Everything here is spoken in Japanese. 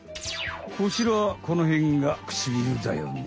こちらこのへんがくちびるだよね。